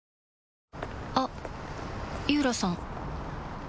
あっ井浦さん